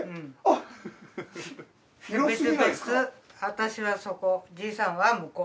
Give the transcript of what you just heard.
私はそこじいさんは向こう。